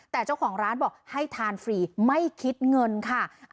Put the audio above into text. แต่เจ้าของร้านบอกให้ทานฟรีไม่คิดเงินค่ะ